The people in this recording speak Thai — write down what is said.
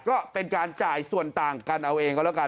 ก็เป็นการจ่ายส่วนต่างกันเอาเองก็แล้วกัน